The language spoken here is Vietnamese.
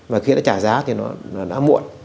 và khi nó trả giá thì nó đã muộn